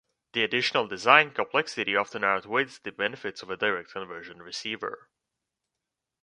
The additional design complexity often outweighs the benefits of a direct-conversion receiver.